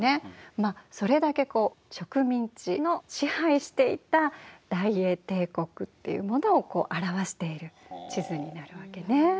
まっそれだけこう植民地の支配していた大英帝国っていうものを表している地図になるわけね。